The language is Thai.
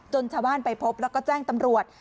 ชาวบ้านไปพบแล้วก็แจ้งตำรวจ